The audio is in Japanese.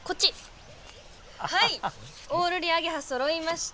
はいオオルリアゲハそろいました。